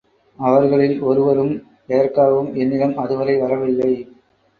அவர்களில் ஒருவரும் எதற்காகவும் என்னிடம் அதுவரை வரவில்லை.